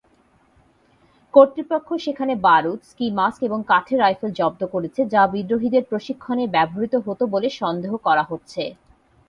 কর্তৃপক্ষ সেখানে বারুদ, স্কি মাস্ক এবং কাঠের রাইফেল জব্দ করেছে যা বিদ্রোহীদের প্রশিক্ষণে ব্যবহৃত হতো বলে সন্দেহ করা হচ্ছে।